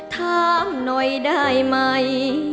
ถามหน่อยได้ไหม